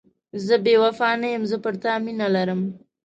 زه بې وفا نه یم، زه پر تا مینه لرم.